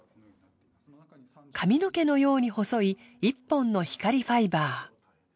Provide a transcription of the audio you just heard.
髪の毛のように細い１本の光ファイバー。